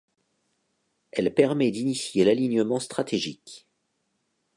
Elle permet d'initier l'alignement stratégique.